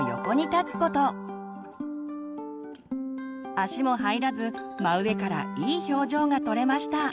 足も入らず真上からいい表情が撮れました。